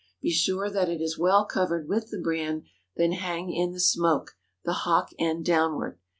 Be sure that it is well covered with the bran, then hang in the smoke, the hock end downward.